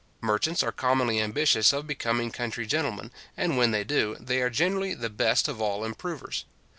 Merchants are commonly ambitious of becoming country gentlemen, and, when they do, they are generally the best of all improvers.